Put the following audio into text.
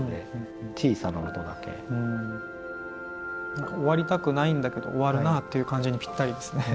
何か終わりたくないんだけど終わるなっていう感じにぴったりですね。